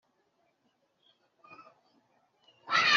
Akira ari uko bamusukiemo amata bagikama ataravura